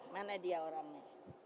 mana dia orangnya